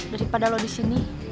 daripada lo di sini